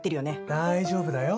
「大丈夫だよ。